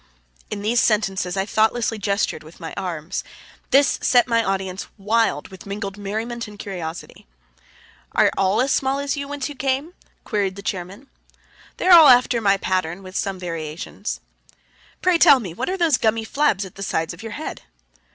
In these sentences I thoughtlessly gestured with my arms; this set my audience wild with mingled merriment and curiosity. "Are all as small as you whence you came?" queried the chairman. "They are all after my pattern with some variations." "Pray, tell me, what are those gummy flabs at the sides of your head?"